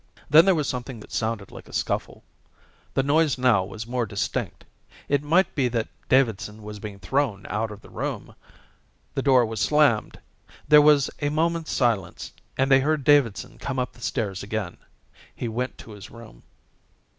Then there was something that sounded like a scuffle. The noise now was more distinct. It might be that Davidson was being thrown out of the room. The door was slammed. There was a moment's silence and they heard Davidson come up the stairs again. He went to his room.